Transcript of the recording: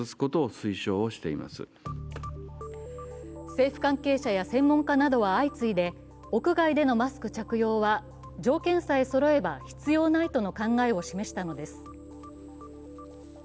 政府関係者や専門家などは相次いで屋外でのマスク着用は条件さえそろえば必要ないとの考えを示したのです。